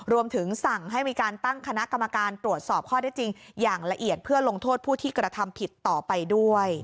รวมถึงสั่งให้มีการตั้งคณะกรรมการตรวจสอบข้อได้จริงอย่างละเอียดเพื่อลงโทษผู้ที่กระทำผิดต่อไปด้วย